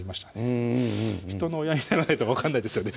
うんうんうん人の親にならないと分かんないですよね